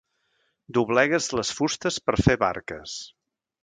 Doblegues les fustes per fer barques.